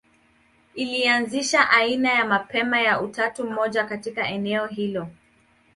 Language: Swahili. Ilianzisha aina ya mapema ya utatu mmoja katika eneo hilo.